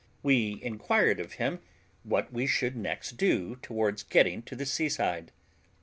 We inquired of him what we should next do towards getting to the seaside.